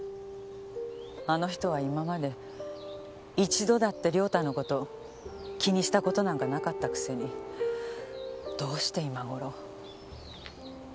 あの人は今まで一度だって良太の事を気にした事なんかなかったくせにどうして今頃。